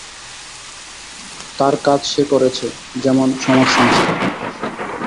তার কাজ সে করেছে, যেমন সমাজসংস্কার।